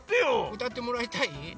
うたってもらいたい？